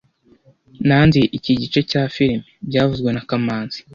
Nanze iki gice cya firime byavuzwe na kamanzi